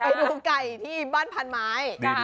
ดูไก่ที่บ้านพันไม้